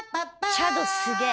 チャドすげえ。